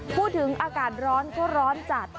พูดถึงอากาศร้อนก็ร้อนจัด